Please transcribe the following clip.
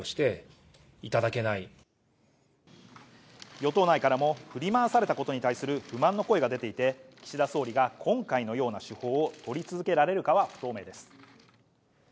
与党内からも振り回されたことに対する不満の声が出ていて、岸田総理が、今回のような手法をとり続けられるかは不透明です。